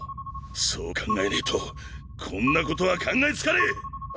そう考えねえとこんなことは考えつかねえ！